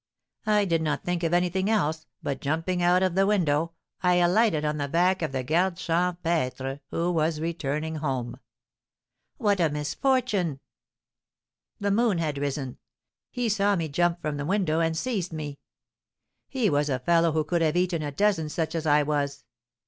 I did not think of taking anything else, but jumping out of the window, I alighted on the back of the garde champêtre, who was returning home." "What a misfortune!" "The moon had risen. He saw me jump from the window and seized me. He was a fellow who could have eaten a dozen such as I was.